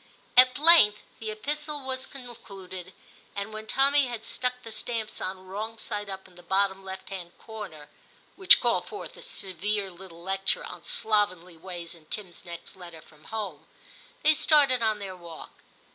At length the epistle was concluded, and when Tommy had stuck the stamps on wrong side up in the bottom left hand corner (which 126 TIM CHAP. called forth a severe little lecture on slovenly ways in Tim's next letter from home) they started on their walk.